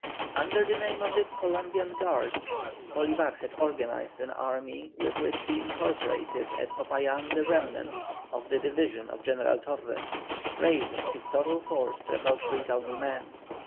Under the name of the "Columbian Guard," Bolívar had organized an army, with which he incorporated at Popayán the remnants of the division of General Torres, raising his total force to about 3,000 men.